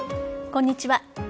こんにちは。